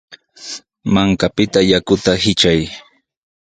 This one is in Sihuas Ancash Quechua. Mankapita yakuta hitray.